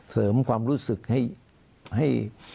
เสริมความรู้สึกให้